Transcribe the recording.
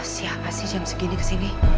siapa sih jam segini kesini